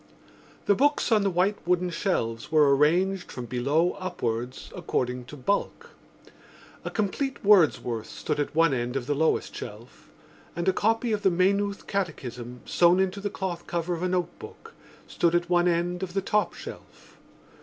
The books on the white wooden shelves were arranged from below upwards according to bulk. A complete Wordsworth stood at one end of the lowest shelf and a copy of the Maynooth Catechism, sewn into the cloth cover of a notebook, stood at one end of the top shelf.